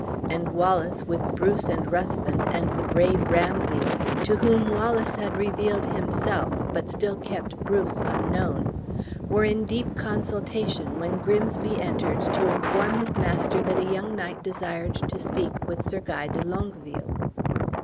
And Wallace, with Bruce and Ruthven, and the brave Ramsay (to whom Wallace had revealed himself, but still kept Bruce unknown), were in deep consultation when Grimsby entered to inform his master that a young knight desired to speak with Sir Guy de Longueville.